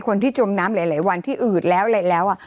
คนที่จมน้ำหลายวันที่อืดแล้วอะไรแล้ว